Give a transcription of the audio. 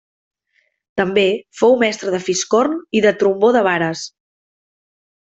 També, fou mestre de fiscorn i de trombó de vares.